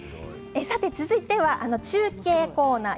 続いては中継コーナー